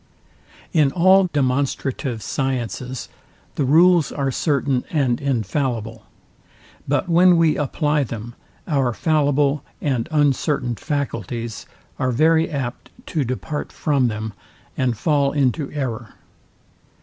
In all demonstrative sciences the rules are certain and infallible; but when we apply them, our fallible said uncertain faculties are very apt to depart from them, and fall into error.